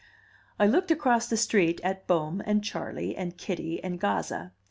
I looked across the street at Bohm and Charley and Kitty and Gazza.